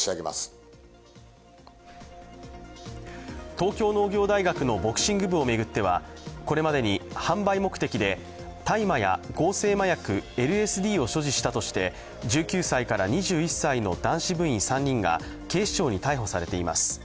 東京農業大学のボクシング部を巡ってはこれまでに販売目的で大麻や合成麻薬ＬＳＤを使用したとして１９歳から２１歳の男子部員３人が警視庁に逮捕されています。